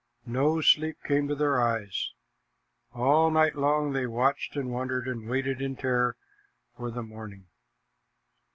No sleep came to their eyes. All night long they watched and wondered, and waited in terror for the morning.